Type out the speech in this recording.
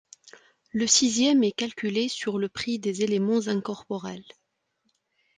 Le sixième est calculé sur le prix des éléments incorporels.